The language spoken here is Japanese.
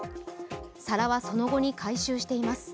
皿はその後に回収しています。